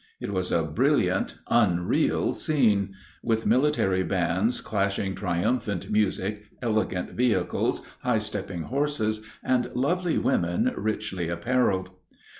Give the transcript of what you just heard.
It was a brilliant, unreal scene; with military bands clashing triumphant music, elegant vehicles, high stepping horses, and lovely women richly appareled.